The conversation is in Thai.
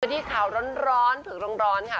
ที่ข่าวร้อนเผือกร้อนค่ะ